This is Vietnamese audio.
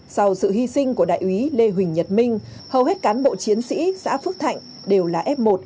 sau sự hy sinh của đại úy lê huỳnh nhật minh hầu hết cán bộ chiến sĩ xã phước thạnh đều là f một